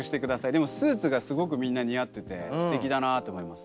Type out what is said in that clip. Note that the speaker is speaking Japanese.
でもスーツがすごくみんな似合っててすてきだなと思います。